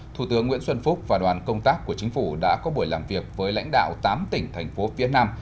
thủ tướng nguyễn xuân phúc và đoàn công tác của chính phủ đã có buổi làm việc với lãnh đạo tám tỉnh thành phố phía nam